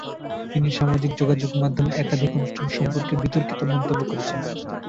তিনি সামাজিক যোগাযোগ মাধ্যমে একাধিক অনুষ্ঠান সম্পর্কে বিতর্কিত মন্তব্য করেছেন।